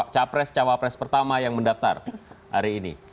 capres cawapres pertama yang mendaftar hari ini